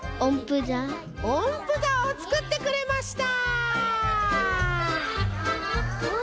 おんぷざをつくってくれました。